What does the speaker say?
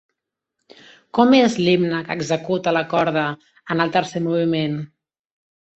Com és l'himne que executa la corda en el tercer moviment?